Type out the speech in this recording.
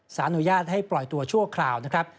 อนุญาตให้ปล่อยตัวชั่วคราวนะครับ